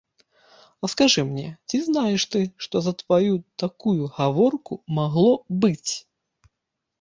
А скажы мне, ці знаеш ты, што за тваю такую гаворку магло быць?